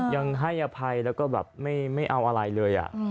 ยังให้อภัยแล้วก็แบบไม่เอาอะไรเลย